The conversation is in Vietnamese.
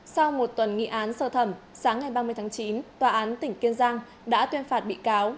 sau một tuần nghị án sơ thẩm sáng ngày ba mươi tháng chín tòa án tỉnh kiên giang đã tuyên phạt bị cáo